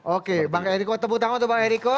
oke bang eriko tepuk tangan untuk bang eriko